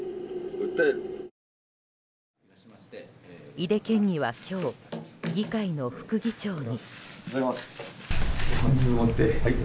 井手県議は今日議会の副議長に。